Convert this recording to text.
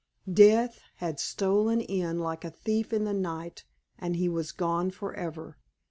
Death had stolen in like a thief in the night, and he was gone forever.